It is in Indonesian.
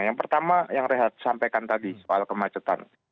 yang pertama yang rehat sampaikan tadi soal kemacetan